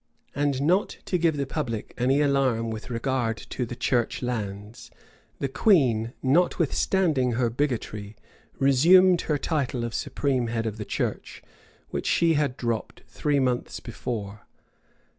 And not to give the public any alarm with regard to the church lands, the queen, notwithstanding her bigotry, resumed her title of supreme head of the church, which she had dropped three months before.